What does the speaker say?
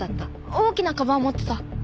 大きなかばんを持ってた。